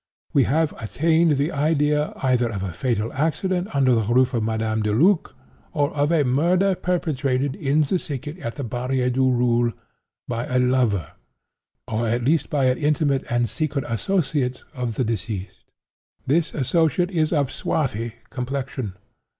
We have attained the idea either of a fatal accident under the roof of Madame Deluc, or of a murder perpetrated, in the thicket at the Barrière du Roule, by a lover, or at least by an intimate and secret associate of the deceased. This associate is of swarthy complexion.